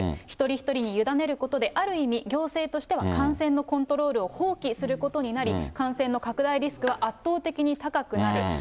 一人一人に委ねることで、ある意味、行政としては感染のコントロールを放棄することになり、感染の拡大リスクは圧倒的に高くなる。